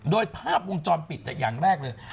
โดยภาพวงจรปิดอย่างแรกเลย